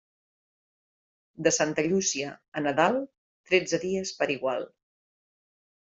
De Santa Llúcia a Nadal, tretze dies per igual.